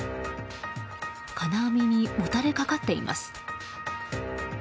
金網にもたれかかっています。